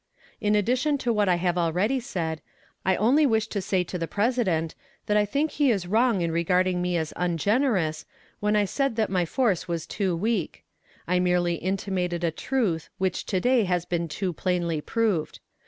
"In addition to what I have already said, I only wish to say to the President that I think he is wrong in regarding me as ungenerous, when I said that my force was too weak. I merely intimated a truth which to day has been too plainly proved.